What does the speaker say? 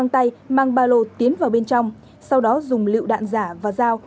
tiến vào bên trong sau đó dùng lựu đạn giả và dao